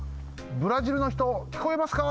ブラジルのひときこえますか？